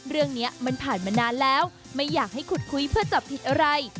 เรื่องนี้มันผ่านมานานแล้วไม่อยากให้ขุดคุยเพื่อจับผิดอะไร